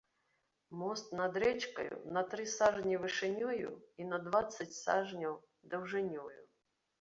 Мост над рэчкаю на тры сажні вышынёю і на дваццаць сажняў даўжынёю.